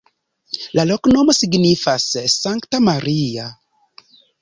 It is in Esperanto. La loknomo signifas: Sankta Maria.